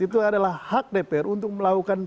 itu adalah hak dpr untuk melakukan